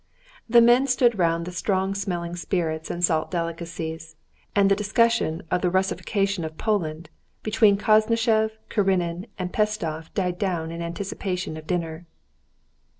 The men stood round the strong smelling spirits and salt delicacies, and the discussion of the Russification of Poland between Koznishev, Karenin, and Pestsov died down in anticipation of dinner.